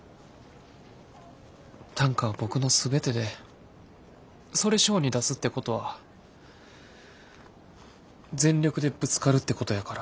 短歌は僕の全てでそれ賞に出すってことは全力でぶつかるってことやから。